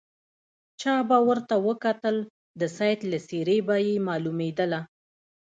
چا به ورته وکتل د سید له څېرې به یې معلومېدله.